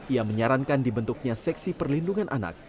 ia menyarankan dibentuknya seksi perlindungan anak